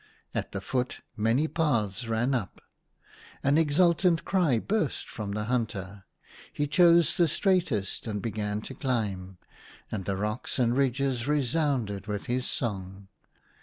At the foot many paths ran up. An exultant cry burst from the hunter. He chose the straightest and began to climb ; and the rocks and ridges resounded with his song.